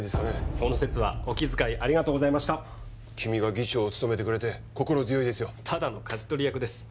その節はお気遣いありがとうございました君が議長を務めてくれて心強いですよただの舵取り役です